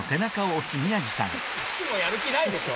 いつもやる気ないでしょ。